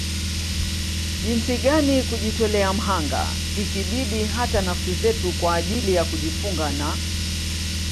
Jinsi gani kujitolea mhanga ikibidi hata nafsi zetu kwa ajili ya kujifunga na